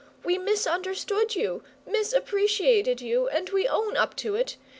We misunderstood you, misappreciated you, and we own up to it.